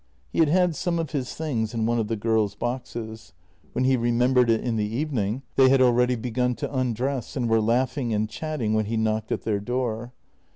He had had some of his things in one of the girls' boxes. When he remembered it in the evening they had already begun to undress and were laughing and chatting when he knocked at their door.